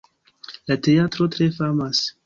La teatro tre famas.